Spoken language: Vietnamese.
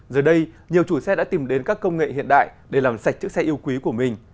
giờ đây nhiều chủ xe đã tìm đến các công nghệ hiện đại để làm sạch chiếc xe yêu quý của mình